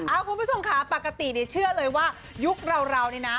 คุณผู้ชมค่ะปกติเนี่ยเชื่อเลยว่ายุคเราเราเนี่ยนะ